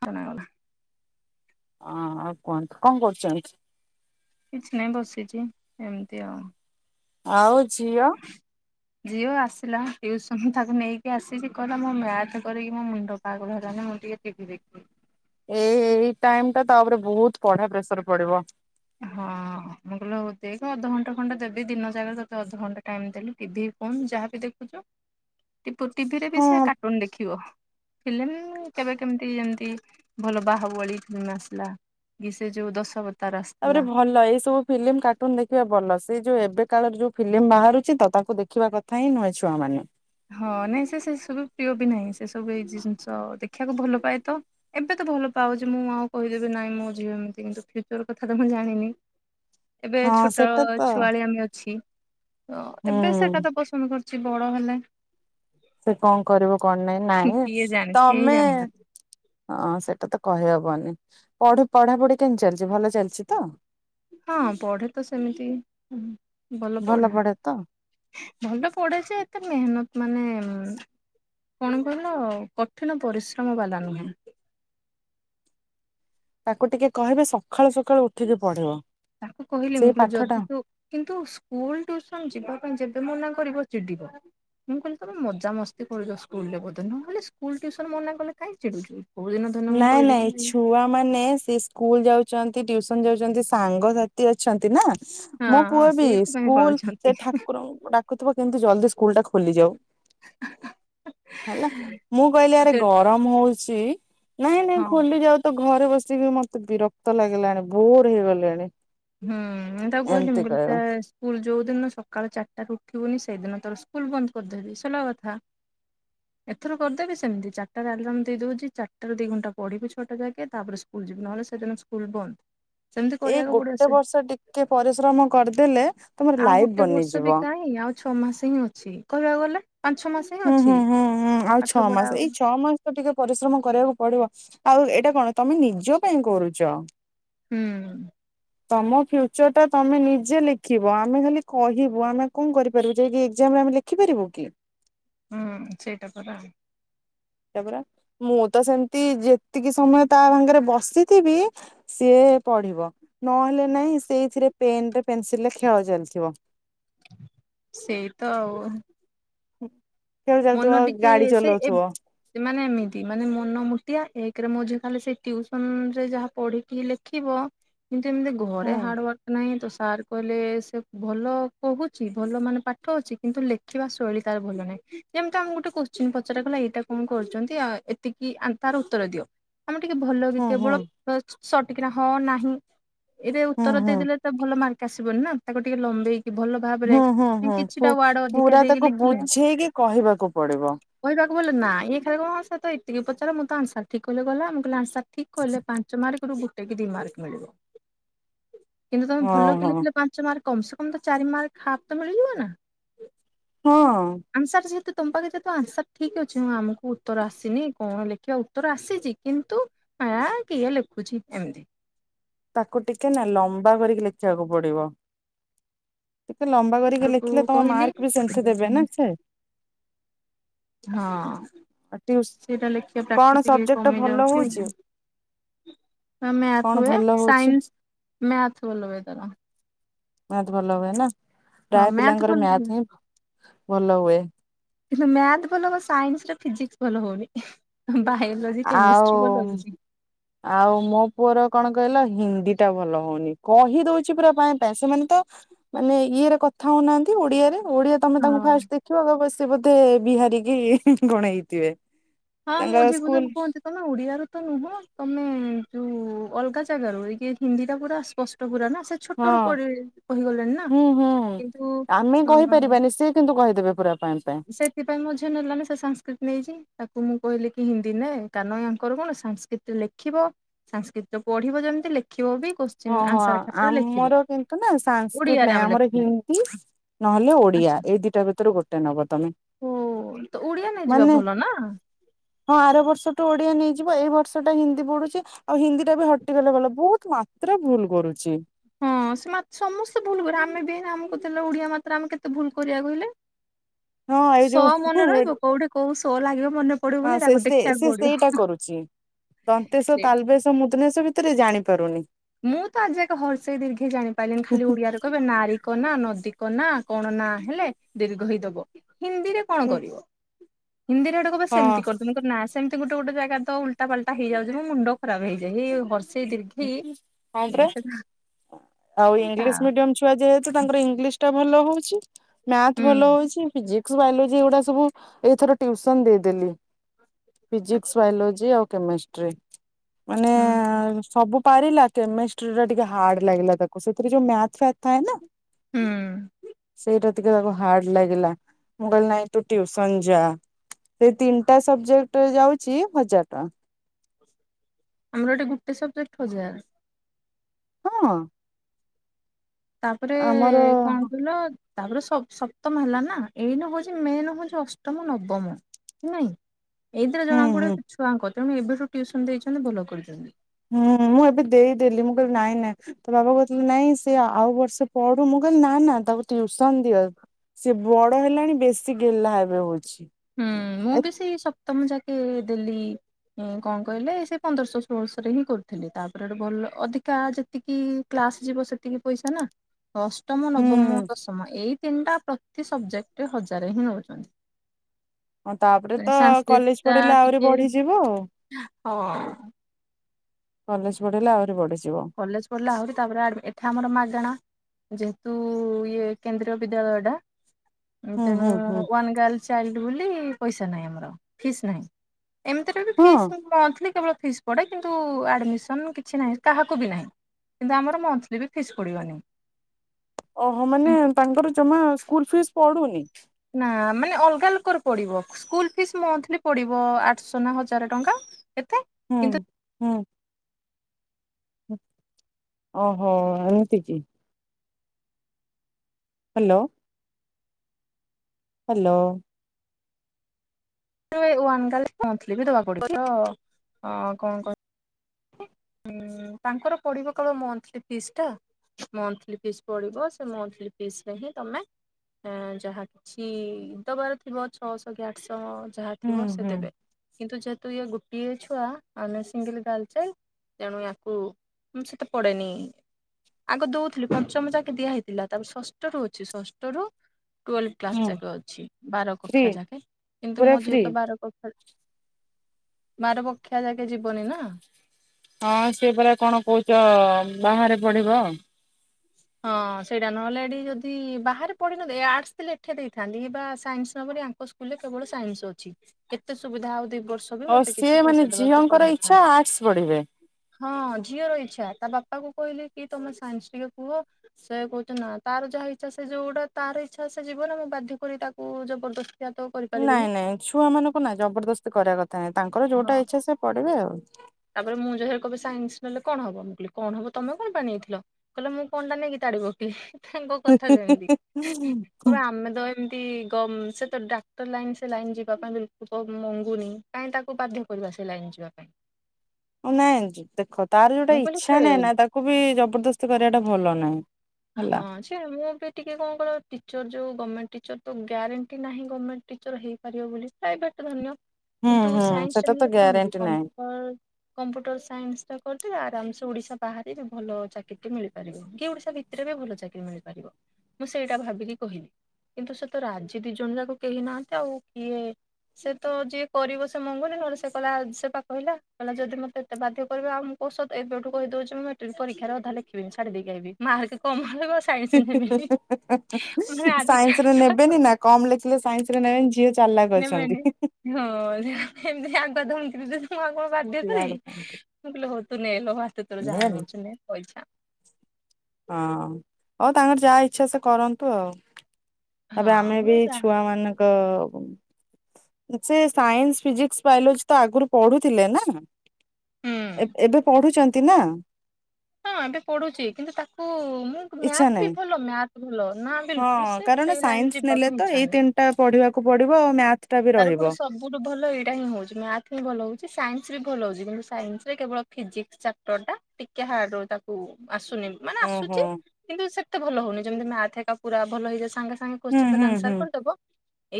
ଶୁଣାଗଲା। ହଁ ଆଉ କୁହନ୍ତୁ କଣ କରୁଚନ୍ତି? କିଛି ନାଇ ବସିଚି ଏମିତି ଆଉ। ଆଉ ଝିଅ? ଝିଅ ଆସିଲା ଟିଉସନ ତାକୁ ନେଇକି ଆସିିକି କହିଲା ମୋ ମ୍ୟାଥ କରିକି ମୋ ମୁଣ୍ଡ ପାଗଳ ହେଲାଣି ମୁ ଟିକେ ଟିଭି ଦେଖେ। ଏ ଏଇ ଟାଇମ୍ ଟା ତାପରେ ବହୁତ ପଢା ପ୍ରେସର୍ ପଡିବ। ହଁ ମୁଁ କହିଲି ହଉ ଦେଖ ଅଧଘଣ୍ଟ ଖଣ୍ଡେ ଦେବି ଦିନ ଯାକ ତତେ ଅଧଘଣ୍ଟେ ଟାଇମ୍ ଦେଲି ଟିଭି କଣ ଯାହାବି ଦେଖୁଛ? ଟିପୁ ଟିଭିରେ ବି ସେ ହଁ। କାର୍ଟୁନ ଦେଖିବ। ଫିଲ୍ମ କେବେ କେମିତି ଯେମତି ଭଲ ବାହୁବଳି ଫିଲ୍ମ ଆସିଲା କି ସେ ଯୋଉ ଦଶବତା ତାପରେ ଭଲ ଏଇ ସବୁ ଫିଲ୍ମ କାର୍ଟୁନ୍ ଦେଖିବା ଭଲ। ସେଇ ଯୋଉ ଏବେ କାଳର ଯୋଉ ଫିଲ୍ମ ବାହାରୁଛି ତ ତାକୁ ଦେଖିବା କଥା ହିଁ ନୁହେଁ ଛୁଆ ମାନେ। ହଁ ନାଇଁ ସେ ସେ ସବୁ ପ୍ରିୟ ବି ନାହିଁ। ସେ ସବୁ ଏଇ ଜିନିଷ ଦେଖିବାକୁ ଭଲ ପାଏ ତ। ଏବେ ତ ଏ ଭଲ ପାଉଚି ମୁଁ ଆଉ କହିଦେବି ନାଇଁ ମୋ ଝିଅ ଏମିତି କିନ୍ତୁ ଫିଉଚର୍ କଥା ତ ମୁଁ ଜାଣିନି। ଏବେ ହଁ ଛୋଟ ସେଟା ତ ଛୁଆଳିଆମି ଅଛି। ତ ହୁଁ ଏବେ ସେଟା ତ ପସନ୍ଦ କରୁ ଚି ବଡ ହେଲେ ସେ କଣ କରିବ କଣ ନାଇଁ, ନାଇଁ କିଏ ଜାଣିଛି କେହି ତୋମେ ଜାଣିନାହାନ୍ତି ହଁ ସେଟା ତ କହିହବନି ପଢୁ ପଢାପଢି କେମିତି ଚାଲିଚି? ଭଲ ଚାଲିଚି ତ? ହଁ ପଢେ ତ ସେମିତି ଭଲ ପଢେ। ଭଲ ପଡେ ଯେ ଏତେ ମେହନତ ମାନେ ଉଁ କଣ କହିଲ କଠିନ ପରିଶ୍ରମ ବାଲା ନୁହଁ। ତାକୁ ଟିକେ କହିବେ ସଖାଳୁ ସକାଳୁ ଉଠିକି ପଢିବ। ତାକୁ କହିଲି ସେଇ ମୁଁ କହିଲି ପାଠ ଟା ଯଦି ତୁ କିନ୍ତୁ ସ୍କୁଲ୍ ଟିଉସନ ଯିବା ପାଇଁ ଯେବେ ମନା କରିବ ଚିଡିବ। ମୁଁ କହିଲି ତୋମେ ମଜାମସ୍ତି କରୁଚ ସ୍କୁଲ୍ ରେ ବୋଧେ। ନହେଲେ ସ୍କୁଲ୍ ଟିଉସନ ମନା କଲେ କାହିଁ ଚିଡୁଛୁ। କୋଉ ଦିନ ଧରିନ ମୁଁ ନାଇଁ କହିବି କି ନାଇଁ ଛୁଆ ମାନେ ସେ ସ୍କୁଲ୍ ଯାଉଚନ୍ ତି ଟିଉସନ ଯାଉଚନ୍ତି ସାଙ୍ଗସାଥି ଅଛନ୍ତି ନା ମୋ ପୁଅ ହଁ ବି ସେଇଥିପାଇଁ ସ୍କୁଲ୍ ପଳଉଛନ୍ତି। ସେ ଠାକୁରଙ୍କୁ ଡାକୁ ଥିବ କେମିତି ଜଲଦି ସ୍କୁଲ୍ ଟା ଖୋଲିଯାଉ। ହେଲା ମୁଁ କହିଲି ଆରେ ସେ ଗ ମଉଚି ନାଇଁ ନାଇଁ ହଁ। ଖୋଲି ଯାଉ ତ ଘରେ ବସିକି ମୋତେ ବିରକ୍ତ ଲାଗିଲାଣି ବୋର୍ ହେଇଗଲିଣି। ହୁଁ, ମୁଁ ତାକୁ କହିଲି ମୁଁ କହିଲି ଚା ସ୍କୁଲ୍ ଯୋଉଦିନ ସକାଳ ଚାରଟାରୁ ଉଠିବୁନି ସେଇଦିନ ତୋର ସ୍କୁଲ୍ ବନ୍ଦ କରିଦେବି ସଲାକଥା। ଏଥର କରିଦେବି ସେମିତି ଚାରଟାରେ ଆଲାର୍ମ ଦେଇଦଉଚି। ଚାରଟାରୁ ଦିଘଣ୍ଟା ପଢିବୁ ଛଅଟା ଜାକେ। ତାପରେ ସ୍କୁଲ୍ ଯିବୁ ନହେଲେ ସେଦିନ ସ୍କୁଲ୍ ବନ୍ଦ। ସେମିତି ଏଇ କରିବାକୁ ଗୋଟେ ପଡିବ। ବର୍ଷ ଟିକେ ପରିଶ୍ରମ କରିଦେଲେ ତମର ଆଉ ଲାଇଫ ଗୋଟେ ବର୍ଷ ବନିଯିବ ବି କାଇଁ ଆଉ ଛଅ ମାସ ହିଁ ଅଛି। ଇ-କହିବାକୁ ଗଲେ। ପାଞ୍ଚ ଛଅ ମାସ ହିଁ ହୁଁ ହୁଁ ଅଛି ହୁଁ ହୁଁ ଆଉ ପାଠ ଛଅ ପଢା ଆଉ ମାସ ଏଇ ଛଅ ମାସ ତ ଟିକେ ପରିଶ୍ରମ କରିବାକୁ ପଡିବ। ଆଉ ଏଇଟା କଣ ତମେ ନିଜ ପାଇଁ କରୁଛ। ହୁଁ। ତମ ଫ୍ୟୁଚରଟା ତମେ ନିଜେ ଲେଖିବ। ଆମେ ଖାଲି କହିବୁ। ଆମେ କଣ କରିପାରିବୁ ଯେ ଏଇ ଏଗଜା ଆମେ ଲେଖିପାରିବୁ କି? ହୁଁ ସେଇଟା ପରା। ତାପରା ମୁଁ ତ ସେମିତି ଯେତିକି ସମୟ ତା ଭାଙ୍ଗରେ ବସିଥିବି ସିଏ ପଢିବ ନହେଲେ ନାହିଁ ସେଇଥିରେ ପେନଟେ ପେନସିଲରେ ଖେଳ ଚାଲିଥିବ। ସେଇ ତ ଆଉ। [inaudible] ଚାଲିଥିବ ମନ ଟିକେ ଗାଡି ସେ ଚଲଉଥିବ ମାନେ ଏମିତି ମାନେ ମନ ମୁୋଟିଆ ଏକରେ ମୋଝ ତାହେଲେ ସେ ଟ୍ୟୁସନରେ ଯାହା ପଢ଼ିକି ଲେଖିବ କିନ୍ତୁ ଏମିତି ଘରେ ହୁଁ ହାର୍ଡୱାର୍କ ନାହଁ। ସାର କହିଲେ ସେ ଭଲ କହୁଛି। ଭଲ ମାନେ ପାଠ ଅଛି କିନ୍ତୁ ଲେଖିବା ଶୈଳୀ ତାର ଭଲ ନାହିଁ। ଯେମିତି ଆମକୁ ଗୋଟେ କୋଶ୍ଚିନ୍ ପଚାର କଲା ଏଇଟା କଣ କରୁଛନ୍ତି ଆଉ ଏତିକି ତାର ଉତ୍ତର ଦିଅ। ଆମେ ଟିକେ ଭଲ କି ହୁଁ କେବଳ ହୁଁ ସଟିକନା ହଁ ନାହିଁ ଏରେ ହୁଁ ଉତ୍ତର ହୁଁ ଦେଇଦେଲେ ତ ଭଲ ମାର୍କ ଆସିବନି ନା ତାକୁ ଟିକେ ଲମ୍ବେଇ ହୁଁ ହୁଁ ହୁଁ ଅଧିକା ପୁରା ଦେଇକି ତାକୁ ଲେଖିଲେ ବୁଝେଇକି କହିବାକୁ ପଡିବ। କ କିଲଲେ ନା ଇଏ ଖାଲି କଣ ସାର ତ ଏତିକି ପଚଲେ ମ ମୁଁ ଆନ୍ସର ଠିକ କହିଲେ ଗଲା ମୁଁ କିଲେ ଆନ୍ସ ଠିକ କଲେ ପାଞ୍ଚ ମାର୍କରୁୁ ଗୋଟେ କି ଦି ମାର୍କ ମିଳିବ। କିନ୍ତୁ ତମେ ହଁ ଭଲକି ହଁ ଲେଖିଲେ ପାଞ୍ଚ ମାର୍କ କମ ସେ କମ ତ ଚାରି ମାର୍କ ହାପ୍ ତ ମିଳିଯିବ ନା ହଁ। ଆନ୍ସର ଯେହେତୁ ତମ ପାଖରେ ଯେହେତ ଆନ୍ସର ଠିକ୍ ଅଛି ମୁଁ ଆମକୁ ଉତ୍ତର ଆସିନି କଣ ଲେଖିବା ଉତ୍ତର ଆସିଛି କିନ୍ତୁ ଆ କିଏ ଲେଖୁଛି ଏମତି। ତାକୁ ଟିକେ ନା ଲମ୍ବା କରିକି ଲେଖିବାକୁ ପଡିବ। ଟିକେ ଲମ୍ବା କରିକି ତାକୁ ଲେଖିଲେ ତମ କହିଲି ମାର୍କ ବି ସେ ସେମତି ଦେବେ କହିଛନ୍ତି ନା ସେ ହଁ। ସେଇଟା ଲେଖିବା ପ୍ରାକ୍ଟିସ୍ କଣ ଟିକେ ସବଜେକ୍ଟଟା କମି ଭଲ ଯାଉଛି ହଉଛି। ମ୍ୟାଥ କଣ ହୁଏ ଭଲ ହଉଛି ସାଇନସ ମ୍ୟାଥ ଭଲହୁଏ ତାର। ମ୍ୟାଥ ଭଲ ହୁଏ ନା ହଁ ପ୍ରାୟ ମ୍ୟାଥ ପିଲାଙ୍କର ଭଲ ହୁଏ। ମ୍ୟାଥ ହିଁ ଭଲ ହୁଏ। କିନ୍ତୁ ମ୍ୟାଥ ଭଲ ହ ସାଇନ୍ସରେ ଫିଜିକ୍ସ ଭଲ ହଉନି। ବାୟୋଲୋଜି ଆଉ କେମିଷ୍ଟ୍ରି ବଲୁଛି। ଆଉ ମୋ ପୁଅର କଣ କହିଲ ହିନ୍ଦୀଟା ଭଲ ହଉନି କହି ଦଉଛି ପୁରା ପା ସେମାନେ ତ ମାନେ ଇଏରେ କଥା ହଉନାହାନ୍ତି ଓଡିଆରେ ଓଡିଆ ତମେ ତାଙ୍କୁ ହଁ ଫାଷ୍ଟ ଦେଖିବ ବ ସେ ବୋଧେ ବିହାରିକି କଣ ହେଇଥିବେ। ହଁ ମୋଝିକୁ ସବୁ କହନ୍ତି ତମେ ଓଡିଆ ର ତ ନୁହଁ ତମେ ଏ ଯୋଉ ଅଲଗା ଜାଗାର ଏ ହିନ୍ଦୀ ଟା ପୁରା ସ୍ପଷ୍ଟ ପୁରା ନା ସେ ହଁ ଛୋଟର ପଡି କହିଗଲେଣି ନା ହୁଁ ହୁଁ କିନ୍ତୁ ଆମେ କହିପାରିବାନି ସିଏ କିନ୍ତୁ କହିଦେବେ ପୁରା ପାଇଁ ପାଇଁ ସେଥିପାଇଁ ମୋଝି ନେଲଣି ସେ ସଂସ୍କୃତି ନେଇଚି ତାକୁ ମୁଁ କହିଲି କି ହିନ୍ଦୀ ନେ କାରନ ୟାଙ୍କର କଣ ସାଂକ୍ରିଟରେ ଲେଖିବ। ସାଂସକ୍ରିଟ ପଢିବ ଯେମିତି ଲେଖିବ ବି କୋଶ୍ଚିନ୍ ଓହୋ ଆନ୍ସର ଖାତାରେ ଲେଖିବ ଆମର କିନ୍ତୁ ନା ସାଂସକ୍ରିଟ ଓଡିଆରେ ନାଇଁ ଆମେ ଆମର ଲେଖୁଥିଲୁ ହିନ୍ଦୀ ନହେଲେ ଓଡିଆ ଆଚ୍ଛା ଏଇ ଦିଟା ଭିତରୁ ଗୋଟେ ନବ ଓ ତ ଓଡିଆ ନେଇଯିବା ମାନେ ଭଲ ନା ହଁ ଆର ବର୍ଷଠୁଁ ଓଡିଆ ନେଇଯିବ ଏଇ ବର୍ଷଟା ହିନ୍ଦୀ ପଢୁଛି ଆଉ ହିନ୍ଦୀଟା ବି ହଟିଗଲେ ଗଲ ବହୁତ ଏତଟା ଭୁଲ କରୁଛି। ହଁ ସେ ସମସ୍ତେ ଭୁଲ କର ଆମେ ବି ହେ ଆମକୁ ଓଡିଆ ମାତ୍ରାରେ ଆମେ କେତେ ଭୁଲ କରିବା କହିଲେ? ହ ହଁ ଏଇ ସ ଯୋଉ ମନେ ହଁ ରହିବ କୋଉଠି କୋଉ ସ ଲାଗିବ ମନେ ପଡିବନି ସେ ତାକୁ ସେ ଦେଖିବାକୁ ପଡିବ। ସେଇଟା କରୁଛି। ଦନ୍ତେଶ ସେ ତାଲବେେଶ ମୁଦନେଶ ଭିତରେ ଜାଣି ପାରୁନି। ମୁଁ ତ ଆଜି ଏକ ହର୍ଷେଇ ଦୀର୍ଘ ଜାଣିପାରିଲିନି ଖାଲି ଓଡିଆରେ କହିବେ ନାରୀ ନା ନଦୀ କ ନା କଣ ନା ହେଲେ ଦୀର୍ଘ ହେଇ ଦବ ହିନ୍ଦୀରେ କଣ ହଁ କରିବ? ହିନ୍ଦୀରେଟଡେ [unintelligible] ସେମିତି କରୁମ ନା [unintelligible] ସେମିତି ଗୋଟେ ଗୋଟେ ଜାଗା ତ ଉଲଟା ଫଲଟା ହେଇଯାଉଛି ମୁ ମୁଣ୍ଡ ଖରାପ ହେଇଯାଇ ଏଇ ହର୍ଷେଇ ଦୀର୍ଘେଇ [unintelligible] ହରେ ସେଟା ଆଉ ତା ଇଂଲିଶ ମିଡିୟମ ଛୁଆ ଯେହେତୁ ତାଙ୍କର ଇଂଲିଶ ଟା ଭଲ ହଉଛି ମାଥ୍ ଭଲ ହୁଁ ହଉଛି ଫିିଜିକ୍ ବାୟୋଲୋଜି ଏଗୁଡା ସବୁ ଏଇ ଥର ଟୁସନ ଦେଇଦେଲି ଫିଜିକସ ଆଚ୍ଛା ବାୟୋଲୋଜି ଆଉ କେମିଷ୍ଟ୍ରି ମାନେ ହୁଁ ସବୁ ପାରିଲା କେମିଷ୍ଟ୍ରି ରେ ଟିକେ ହାର୍ଡ ଲାଗିଲା ତାକୁ ସେଥିରେ ଯୋଉ ମ୍ୟାଥ୍ ଫ୍ୟଥ୍ ଥାଏ ନା ହୁଁ ସେଟା ଟିକେ ତାକୁ ହାର୍ଡ ଲାଗିଲା ମୁଁ କହିଲି ନାଇଁ ତୁ ଟଟିସନ ଯା ସେ ତିନିଟା ସବଜେକ୍ଟ୍ ରେ ଯାଉଛି ହଜାର ଟଙ୍କା ଆମର ଏଠି ଗୁଟେ ସବ୍ଜେକ୍ଟ ହଜାର୍। ହଁ। ତାପରେ ଆମର କଣ ହୁଁ କହିଲ ତାପରେ ସପ୍ତମ ହେଲା ନା ଏଇ ନ ହଉଛି ମେନ୍ ହଉଛି ଅଷ୍ଟମ ନବମ। ନାଇଁ ଏଇଥିରେ ଜଣାକୁ ହୁଁ ପଡିବ ଛୁଆଙ୍କ ତେଣୁ ଏବେଠୁ ଟିଉସନ ଦେଇଛନ୍ତି ଭଲ କରିୁଛନ୍ତି। ହୁଁ ମୁଁ ଏବେ ଦେଇଦେଲି ମୁଁ କହିଲି ନାଇଁ ନାଇଁ ତ ବାବା କହୁଥିଲ ନାଇଁ ସେ ଆଉ ବର୍ଷେ ପଢୁ ମୁଁ ନା ନା ତାକୁ ଟ୍ୟୁସନ ଦିଅ ସିଏ ବଡ ହେଲାଣି ବେଶୀ ଗେଲା ଏବେ ହଉଛି ହୁଁ ମୁଁ ବି ସେଇ ସପ୍ତମ ଯାକେ ଦେଲି କଣ କହିଲେ ସେ ପନ୍ଦରଶହ ଷୋଳଶରେ ହିଁ କରୁଥିଲେ ତାପରେ ଗୋଟେ ଭଲ ଅଧିକା ଯେତିକି କ୍ଲାସ ଯିବ ସେତିକି ପଇସା ନା ଅଷ୍ଟମ ନବମ ହୁଁ ଦଶମ ଏଇ ତିନିଟା ପ୍ରତି ସବଜେକ୍ଟରେ ହଜାରେ ହିଁ ନଉଛନ୍ତି। ହଁ ତାପରେ ତ ସାଂସ୍କ୍ରିଟ କଲେଜ ଟା ପଢିଲେ ଆହୁରି ଟିକେ ବଢିଯିବ ଆଉ। ହଁ କଲେଜ ପଢ଼ିଲେ ଆହୁରି ପଢି କଲେଜ ପଢିଲା ଆହୁରି ତାପରେ ଏଠି ଆମର ମାଗାଣା ଯେହେତୁ ଇଏ କେନ୍ଦ୍ରୀୟ ବିଦ୍ୟାଳୟଡା ହୁଁ ତେଣୁ ହୁଁ ହୁଁ। ଓନ୍ ଗର୍ଲ ଚାଇଲ୍ଡ ବୋଲି ପଇସା ନାହିଁ ଆମର ଫିସ୍ ନାହିଁ ଏମିତିରେ ହଁ ଫିସ୍ ମନ୍ଥଲି କେବଳ ଫିସ୍ ପଡ଼େ କିନ୍ତୁ ଆଡ଼ମିସନ୍ କିଛି ନାହିଁ। କାହାକୁ ବି ନାହିଁ କିନ୍ତୁ ଆମର ମନ୍ଥଲି ବି ଫିସ୍ ପଡ଼ିବନି ଓହୋ ମାନେ ତାଙ୍କର ଜମା ସ୍କୁଲ ଫିସ୍ ପଢୁନି। ନା ମାନେ ଅଲଗା ଲୋକର ପଡିବ ସ୍କୁଲ ଫିସ୍ ମନ୍ଥଲି ପଡିବ ଆଠଶହ ନା ହଜାର ଟଙ୍କା ଏତେ କିନ୍ତୁ। ହଁ। ଓହୋ ଏମିତିକି। ହ୍ୟାଲୋ। ହ୍ୟାଲୋ। [unintelligible] ଗା ପ ବି ଦବାକୁ ପଡୁଛି କଣ କର [unintelligible] [inaudible] ହୁଁ ତାଙ୍କର ପଡିବ କେବଳ ମନ୍ଥଲି ଫିସ୍ ଟା ମନ୍ଥଲି ଫିସ୍ ପଡିବ ସେ ମନ୍ଥଲି ଫିସ ରେ ହିଁ ତମେ ଆଁ ଯାହା କିଛି ଦବାର ଥିବ ଛଅଶହ କି ଆଠଶହ ଯାହା ହୁଁ ଥିବ ସେ ହୁଁ। ଦେବେ କିନ୍ତୁ ଯେହେତୁ ଇ ଗୋଟିଏ ଛୁଆ ମାନେ ସିଙ୍ଗଲ ଗାର୍ଲ ତେଣୁ ୟାକୁଁ ସେତେ ପଡେନି ଆଗ ଦଉଥିଲି ପଞ୍ଚମ ଯାକେ ଦିଆ ହେଇଥିଲା ତାପରେ ଷଷ୍ଠ ରୁ ଅଛି ଷଷ୍ଠରୁ ଟୁଏଲଭ କ୍ଲାସ ହୁଁ। ଯାକେ ଅଛି ବାର ଫ୍ରି କକ୍ଷ ଯାକେ କିନ୍ତୁ ପୁରା ମୁଁ ଫ୍ରି ଯେହେତୁ ବାର କ ବାର ପକ୍ଷିଆ ଯାକେ ଯିବନି ନା ହଁ ସେ ପ କଣ କହୁଛ ବାହାରେ ପଢିବ ହଁ ସେଇଟା ନହଲେ ଏଠି ଯଦି ବାହାରେ [unintelligible] ପଢିନନ୍ତି [unintelligible] ଆର୍ଟସ ଥିଲେ ଏଠି ଦେଇଥାନ୍ତି ଏବା ସାଇନ୍ସ [unintelligible] ନ ପଢି ସେ ସ୍କୁଲରେ କେବଳ ସାଇନ୍ସସି ଅଛି କେତେ ସୁବିଧା ବର୍ଷ ବି ଓ ମତେ କିଛି ସିଏ ପଇସା ମାନେ ଦେବାକୁ ଝିଅଙ୍କର ପଡିନଥାନ୍ତା। ଇଚ୍ଛା ଆର୍ଟସ ପଢିବେ ହଁ ଝିଅର ଇଚ୍ଛା ତା ବାପା କୁ କହିଲେ କି ତମେ ସାଇନ୍ସ ନିଅ। କୁହ ସେ କହୁଛନ୍ତି ନା ତାର ଯାହା ଇଚ୍ଛା ସେ ଯୋଉଟା ତାର ଇଚ୍ଛା ସେ ଯିବ ନା ମୁଁ ବାଧ୍ୟ କରି ତାକୁ ଜବରଦସ୍ତ। ନାଇଁ ନାଇଁ ଛୁଆ ମାନଙ୍କୁ ନାଇଁ ଜବରଦସ୍ତି କରିବା କଥା ନାଇଁ ତାଙ୍କର ଯୋଉଟା ହଁ ଇଛା ସେ ପଢିବେ ଆଉ। ମୁଁ ଯାହାକୁ ବି ସାଙ୍ଗ ନହେଲେ କଣ ହବ ମୁଁ କହିଲି କଣ ହବ ତମେ କଣ ପାଇଁ ନେଇଥିଲ କହିଲେ ମୁଁ କଣ ଟା ନେଇକି ତାଡିପକେଇବି କ? ତାଙ୍କ କଥା କେମିତି ଆଉ। କ ଆମେ ତ ଏମତି ସେ ତ ଡାକ୍ତର ଲାଇନ ସେ ଲାଇନ୍ ଯିବା ପାଇଁ ବିଲକୁଲ ମଙ୍ଗୁନି କାହିଁ ତାକୁ ବାଧ୍ୟ କରୁ- ବସ ଲାଇନ୍ ଯିବା ପାଇଁ ନାଇଁ ଦେଖ ତାର ଯୋଉଟା ମୁଁ କହିଲି ଇଛା ସେ ନାହିଁ ନା ତାକୁ ବି ଜବରଦସ୍ତି କରିବାଟା ଭଲ ନାହିଁ ହେଲା ହଁ ସେ ମୁଁ ବି ଟିକେ କଣ ଟିଚର ଯୋଉ ଗମେଣ୍ଟ- ଟିଚର ତ ଗ୍ୟାରେଣ୍ଟି ନାହିଁ ଗମେଣ୍ଟ ଟିଚର ହେଇପାରିବ ବୋଲି ପ୍ରାଇଭେଟ ଧରିନିଅ କିନ୍ତୁ ସାଇନ୍ସ ସେଟା ତ ନେଲେ କଣ କି ଗ୍ୟାରେଣ୍ଟି ନାହିଁ। କମ୍ପୁଟର କମ୍ପୁଟର ସାଇନ୍ସ ଟା- ଆରାମ ସେ ଓଡିଶା ବାହାରେ ବି ଭଲ ଚାକିରିଟି ମିଳିପାରିବ କି ଓଡିଶା ଭିତ ରେ ଭଲ ଚାକିରି ମିଳିପାରିବ ମୁଁ ସେଇଟା ଭାବିକି କହିବି। କିନ୍ତୁ ସେ ତ ରାଜି ଦି ଜଣ ଯାକ କେହି ନାହାନ୍ତି ଆଉ କିଏ ସେ ତ ଯିଏ କରିବ ସେ ମଙ୍ଗୁନି ନହେଲେ ସେ କହିଲା ସେ ପା କହିଲା। କହିଲା ଯଦି ମୋତେ ଏତେ ବାଧ୍ୟ କରିବ ଆଉ- ପଷତ ଏବେଠୁ କହିେଉଛି ମୁଁ ମାଟ୍ରିକ ପରୀକ୍ଷାରେ ଅଧା ଲେଖିବିନି ଛାଡି ଦେଇକି ଆସିବି [unintelligible] ହି ହି ହି ମାନେ ସାଇନ୍ସ ଆଜିକାଲି ରେ ଛୁଆ ନେବେନି ନା କମ୍ ଲେଖିଲେ ସାଇନ୍ସ ରେ ନେବେନି ଯି ନେବେ ନି ହଁ ଏମତି ପା [unintelligible] ମୁଁ ଆଉ କଣ ବାଧ୍ୟ ଇଆଡୁ କରିବି। ମୁଁ କହିଲେ ହଉ ତୁ ନେଲୋ ମା ତୋର ଯାହା ବୁଝିଲନି ନଉଛୁ ନେ ତୋ ଇଛା। ହଁ ହଉ ତାଙ୍କର ଯାହା ଇଛା ସେ କରନ୍ତୁ ଆଉ। ହଁ ତାପରେ ଆମେ ବି ମୁଁ ଜାଣି ଛୁଆ ମାନଙ୍କ ସେ ସାଇନ୍ସ ଫିଜିକ୍ସ ବାୟୋଲୋଜି ତ ଆଗରୁ- ପଢୁଥିଲେ ନା ହୁଁ। ଏବେ ପଢୁଛନ୍ତି ନା ହଁ ଏବେ ପଢୁଛି କିନ୍ତୁ ତାକୁ ମୁଁ ଇଚ୍ଛା ମ୍ୟାଥ ବି ନାହିଁ ଭଲ ମ ଭଲ ନା ବିଲକୁଲ ହଁ ସେ କାରଣ ସେଇ ଲାଇନ ସାଇନ୍ସ ନେଲେ ଯିବାକୁ ତ ଇଛା ଏଇ ନ ତିନିଟା ପଢିବାକୁ ପଡିବ ଆଉ ମ୍ୟା ତାର ପୁଣି ସବୁଠୁ ଭଲ ଏଇଟା ହିଁ ହଉଛି ମ୍ୟାଥ ହିଁ ଭଲ ହଉଛି ସାଇନ୍ସ ଭଲ ହଉଛି କିନ୍ତୁ ସାଇନ୍ସ ରେ କେବଳ ଫିଜିକ୍ସ ଚାପଟର ଟା ଟିକେ ହାଡ ତାକୁ ଆସୁନି ମାନେ ଓହୋ। ଆସୁଛି କିନ୍ତୁ ସେତେ ଭଲ ହଉନି ଯେମିତି ମା ଏକା ପୁରା ଭଲ ହେଇଯା ସାଙ୍ଗ ସାଙ୍ଗେ ହୁଁ କୋଶ୍ଚିନ ହୁଁ ଦେଲେ ହୁଁ। ଆନ୍ସର କଣ ଦବ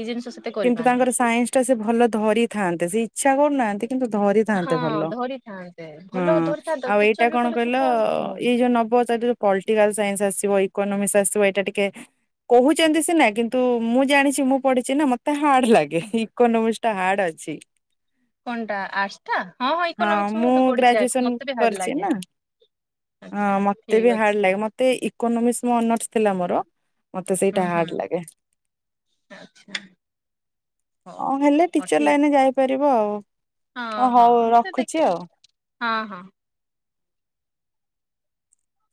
ଏଇ ଜିନିଷ ସେତେ କିନ୍ତୁ କରିପାରନି। ତାଙ୍କର ସାଇନ୍ସ ସେ ଭଲ ଧରିଥାନ୍ତେ ସେ ଇଚ୍ଛା କରୁନାହାନ୍ତି କିନ୍ତୁ ହଁ ଧରିଥାନ୍ତେ ଭଲ ଧରିଥାନ୍ତେ ହଁ ଭଲ ଧରିଥାନ୍ତେ ଆଉ ଟିଚର ଏଇଟା ବି କଣ କହିଲେ ତୁ କହିଲ କଣ ଏଇ ଯୋଉ ନ ବହୁତ ପଲିିଟିକାଲ ସାଇନ୍ସ ଆସଛି ଇକୋନୋମିକସ ଆସିବ ଏଇଟା ଟିକେ କହୁଛନ୍ତି ସିନା କିନ୍ତୁ ମୁଁ ଜାଣିଛି ମୁଁ ପଢିଛି ନା ମତେ ହାଡ ଲାଗେ କନ ମୁଷ୍ଟା ହାଡ ଲାଗୁଛି। କଟା ଆଟ ଟା ହଁ ହଁ ଇକୋନୋମିକ୍ସ ମୁ ମୁଁ ବି ପଢଛି ଗ୍ରାଜୁଏସନ ମତେ ବି ଭଲ କରିଛି ନା ଲାଗେ। ହଁ ଆଚ୍ଛା ମତେ ବି ଠିକ ଅଛି ହାର୍ଡ ଲାଗେ ମତେ ଇକୋନୋମିକ୍ସ ଅନ ଥିଲା ମୋର ମତେ ହୁଁ ସେଇଟା ହୁଁ ହାର୍ଡ ଲାଗେ। ଆଚ୍ଛା ହଉ। ହଁ ହେଲେ ହଉ ଟିଚର ଠିକ ଲାଇନରେ ଯାଇପାରିବ ଆଉ। ହଁ ଓ ହଉ ହଁ ସେ ରଖୁଛି ଆଉ। ଦେଖିବା ହଁ ହଁ।